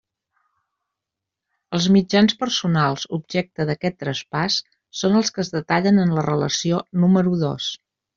Els mitjans personals objecte d'aquest traspàs són els que es detallen en la relació número dos.